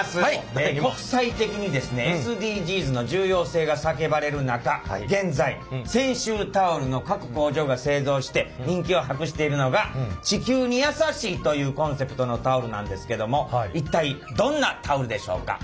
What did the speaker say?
国際的にですねＳＤＧｓの重要性が叫ばれる中現在泉州タオルの各工場が製造して人気を博しているのが地球に優しいというコンセプトのタオルなんですけども一体どんなタオルでしょうか？